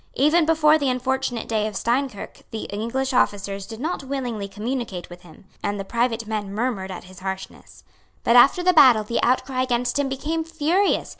Even before the unfortunate day of Steinkirk the English officers did not willingly communicate with him, and the private men murmured at his harshness. But after the battle the outcry against him became furious.